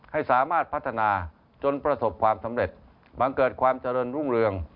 ให้สามารถพัฒนาจนประสบความสำเร็จบังเกิดความเจริญรุ่งเรือง